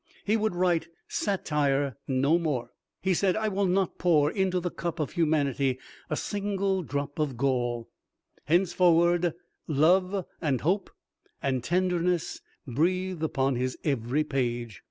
He would write satire no more. He said, "I will not pour into the cup of humanity a single drop of gall." Henceforward love, and hope, and tenderness, breathe upon his every page.